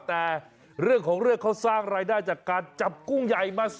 แต่เรื่องของเรื่องเขาสร้างรายได้จากการจับกุ้งใหญ่มา